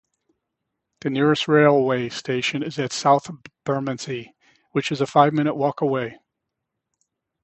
The nearest railway station is at South Bermondsey, which is a five-minute walk away.